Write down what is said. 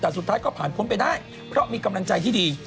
แต่สุดท้ายก็ผ่านพ้นไปได้เพราะมีกำลังใจที่ดี